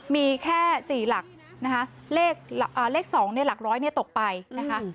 มีแค่๔หลักเลข๒หลัก๑๐๐ตกไปนะคะ